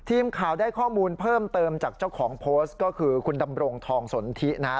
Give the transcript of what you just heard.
ทีมข่าวได้ข้อมูลเพิ่มเติมจากเจ้าของโพสต์ก็คือคุณดำรงทองสนทินะฮะ